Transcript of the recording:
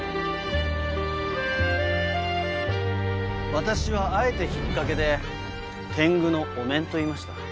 私はあえてひっかけで「天狗のお面」と言いました。